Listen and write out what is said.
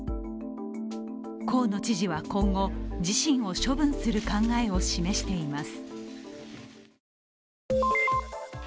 河野知事は今後、自身を処分する考えを示しています。